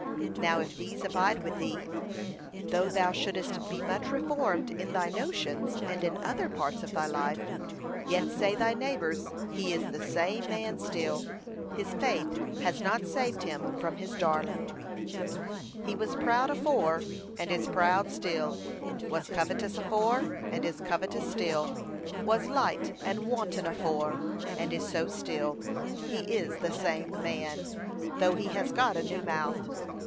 Now if these abide with thee, though thou shouldest be much reformed in thy notions, and in other parts of thy life, yet say thy neighbours, he is the same man still; his faith has not saved him from his darling; he was proud afore, and is proud still; was covetous afore, and is covetous still; was light and wanton afore, and is so still. He is the same man, though he has got a new mouth.